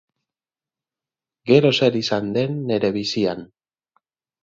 Gero zer izan den nere bizian?